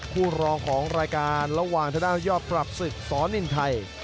ผู้รองของรายการระหว่างทะนายอบปรับศึกสสนินไทย